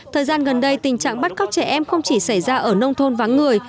thời gian gần đây tình trạng bắt cóc trẻ em không chỉ xảy ra ở nông thôn vắng người